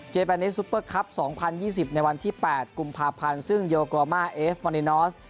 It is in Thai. แปนิสซุปเปอร์คลับ๒๐๒๐ในวันที่๘กุมภาพันธ์ซึ่งโยโกมาเอฟมอนินอส